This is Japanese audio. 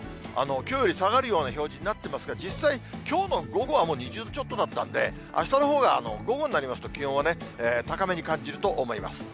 きょうより下がるような表示になってますけど、実際、きょうの午後はもう２０度ちょっとだったんで、あしたのほうが、午後になりますと、気温はね、高めに感じると思います。